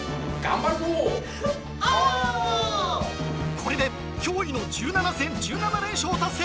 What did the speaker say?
これで驚異の１７戦１７連勝を達成。